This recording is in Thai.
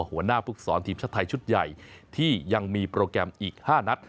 หัวหน้าภูมิสอนทีมชาติไทยชุดใหญ่ที่ยังมีโปรแกรมอีก๕นัด